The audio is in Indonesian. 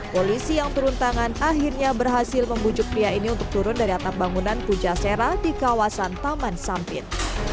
polisi yang turun tangan akhirnya berhasil membujuk pria ini untuk turun dari atap bangunan pujasera di kawasan taman sampit